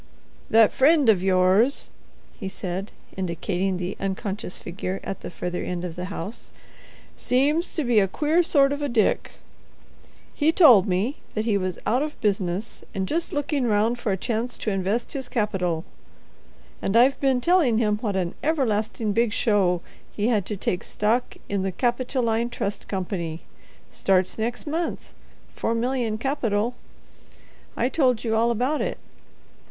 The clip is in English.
"That friend of yours," he said, indicating the unconscious figure at the further end of the house, "seems to be a queer sort of a Dick. He told me that he was out of business, and just looking round for a chance to invest his capital. And I've been telling him what an everlasting big show he had to take stock in the Capitoline Trust Company—starts next month—four million capital—I told you all about it.